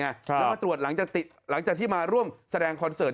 แล้วมาตรวจหลังจากที่มาร่วมแสดงคอนเสิร์ต